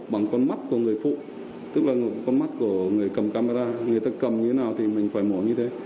bằng con mắt của người phụ tức là con mắt của người cầm camera người ta cầm như thế nào thì mình phải mổ như thế